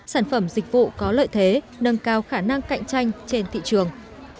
sản phẩm dịch vụ có lợi thế nâng cao khả năng cạnh tranh trên thị trường